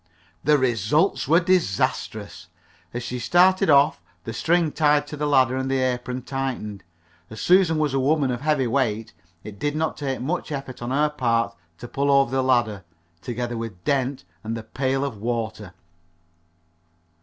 The result was disastrous. As she started off the string tied to the ladder and her apron tightened. As Susan was a woman of heavy weight, it did not take much effort on her part to pull over the ladder, together with Dent and the pail of water.